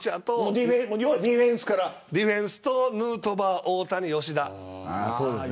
ディフェンスとヌートバー、大谷、吉田。